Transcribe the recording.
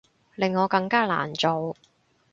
令我更加難做